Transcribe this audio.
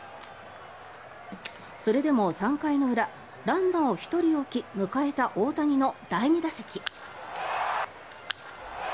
それでも３回の裏ランナーを１人置き、迎えた大谷の第２打席。